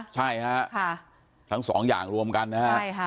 ใช่ฮะทั้งสองอย่างรวมกันนะฮะ